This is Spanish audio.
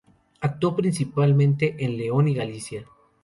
Actuó principalmente en León y Galicia.